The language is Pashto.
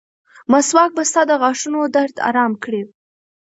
مسواک به ستا د غاښونو درد ارامه کړي.